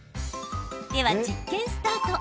では、実験スタート。